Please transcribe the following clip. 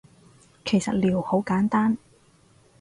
其實撩好簡單